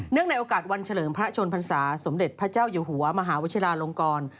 ในโอกาสวันเฉลิมพระชนพรรษาสมเด็จพระเจ้าอยู่หัวมหาวชิลาลงกร